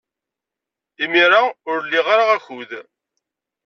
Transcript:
Imir-a, ur liɣ ara akud.